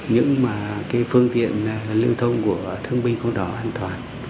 những cái phương tiện lương thông của thương binh không đảm an toàn